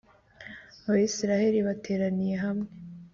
Abisirayeli bateraniye hamwe